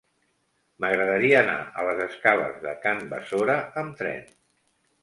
M'agradaria anar a les escales de Can Besora amb tren.